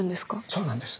そうなんです。